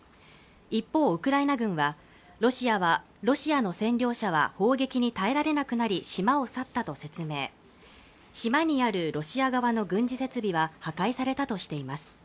一方ウクライナ軍はロシアの占領者は砲撃に耐えられなくなり島を去ったと説明島にあるロシア側の軍事設備は破壊されたとしています